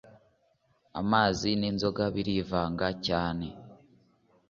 amazi n’ inzoga birivanga cyane.